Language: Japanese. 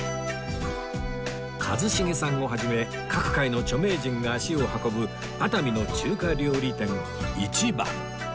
一茂さんを始め各界の著名人が足を運ぶ熱海の中華料理店壹番